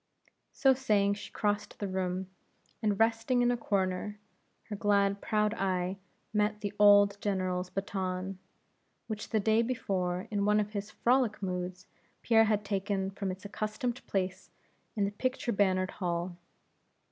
So saying she crossed the room, and resting in a corner her glad proud eye met the old General's baton, which the day before in one of his frolic moods Pierre had taken from its accustomed place in the pictured bannered hall.